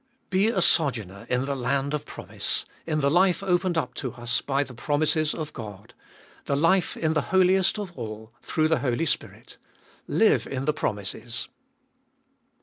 3. Be a sojourner in the land of promise— in the life opened up to us by the promises of God— the life in the Holiest of All, through the Holy Spirit. Live in the promises.